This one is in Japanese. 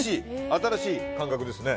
新しい感覚ですね。